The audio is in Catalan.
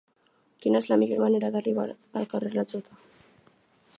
Quina és la millor manera d'arribar al carrer de la Jota?